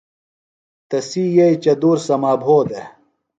تسی یئیئۡیۡ چدُور سما بھودےۡ۔